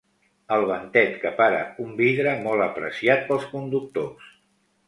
El ventet que para un vidre molt apreciat pels conductors.